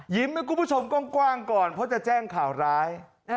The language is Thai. ให้คุณผู้ชมกว้างก่อนเพราะจะแจ้งข่าวร้าย